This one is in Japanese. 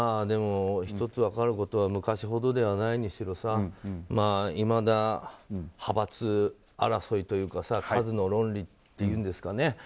でも、１つ分かることは昔ほどではないにしろいまだに派閥争いというか数の論理っていうんですかね。